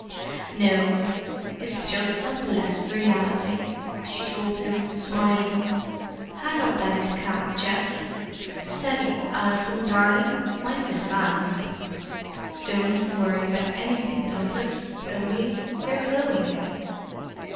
"No; it's just a blessed reality," she told him, smiling. "Hang up Daddy's cap, Geoff: steady, Alison, darling—mind his hand. Don't worry about anything, Douglas—only—you're home."